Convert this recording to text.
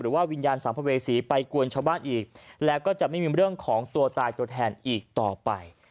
วิญญาณสัมภเวษีไปกวนชาวบ้านอีกแล้วก็จะไม่มีเรื่องของตัวตายตัวแทนอีกต่อไป